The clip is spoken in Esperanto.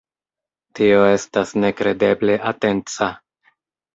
Tio estas nekredeble atenca.